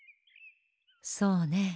そうねえ。